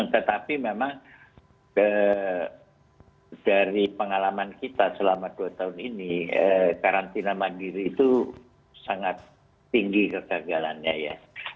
tetapi memang dari pengalaman kita selama dua tahun ini karantina mandiri itu sangat tinggi kegagalannya ya